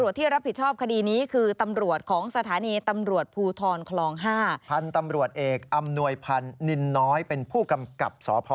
จริงแล้วเนี่ยนะคะ